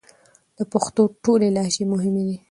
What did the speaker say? د پښتو ټولې لهجې مهمې دي